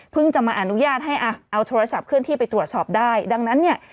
จะมาอนุญาตให้อ่ะเอาโทรศัพท์เคลื่อนที่ไปตรวจสอบได้ดังนั้นเนี่ย